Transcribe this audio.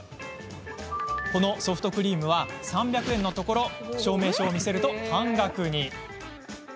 このソフトクリームは３００円のところ証明書を見せると、半額に。